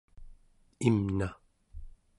imna